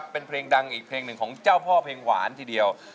เป็นเพลงดังอีกเพลงหนึ่งของเจ้าพ่อเพลงหวานทีเดียว